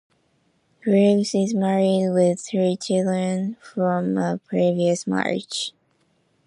Graves is married with three children from a previous marriage.